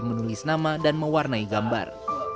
menulis nama dan mewarnai gambar